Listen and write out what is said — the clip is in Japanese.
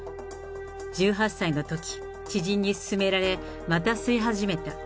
１８歳のとき、知人に勧められ、また吸い始めた。